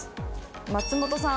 松本さん。